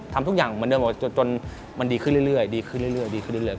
ทำทุกอย่างเหมือนเดิมจนมันดีขึ้นเรื่อย